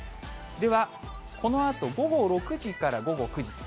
では、このあと午後６時から午後９時。